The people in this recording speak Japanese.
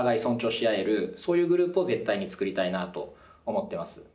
そういうグループを絶対に作りたいなと思ってます。